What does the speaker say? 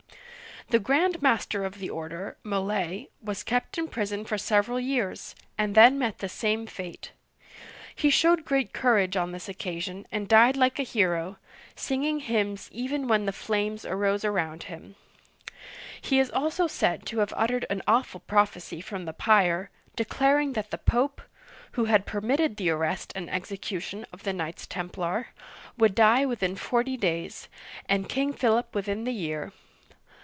The Grand Master of the order, Molay', was kept in prison for several years, and then met the same fate. He showed great courage on this occasion, and died like a hero, singing hymns even when the flames arose around him. He is also said to have uttered an awful prophecy from the pyre, declaring that the Pope — who had per mitted the arrest and execution of the Knights Tem plar — would die within forty days, and King Philip within the year.